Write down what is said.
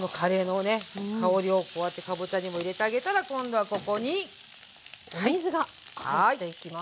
香りをこうやってかぼちゃにも入れてあげたら今度はここに。お水が入っていきます。